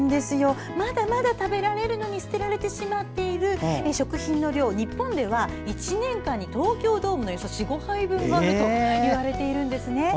まだまだ食べられるのに捨てられてしまっている食品の量、日本では１年間に東京ドームの４５杯分あるといわれているんです。